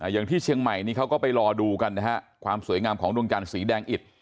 อย่างที่เชียงใหม่นี่เขาก็ไปรอดูกันนะฮะความสวยงามของดวงจันทร์สีแดงอิด